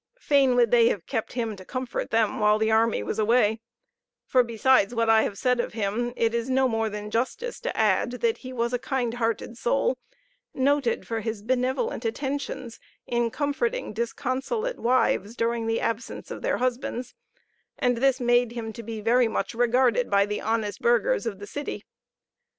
Fain would they have kept him to comfort them while the army was away, for besides what I have said of him, it is no more than justice to add that he was a kind hearted soul, noted for his benevolent attentions in comforting disconsolate wives during the absence of their husbands; and this made him to be very much regarded by the honest burghers of the city.